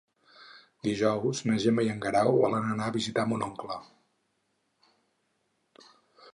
Dijous na Gemma i en Guerau volen anar a visitar mon oncle.